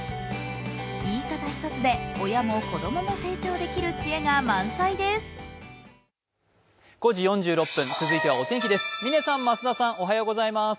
言い方一つで親も子供も成長できる知恵が満載です。